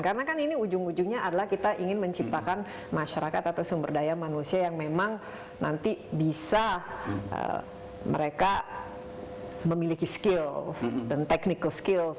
karena kan ini ujung ujungnya adalah kita ingin menciptakan masyarakat atau sumber daya manusia yang memang nanti bisa mereka memiliki skills dan technical skills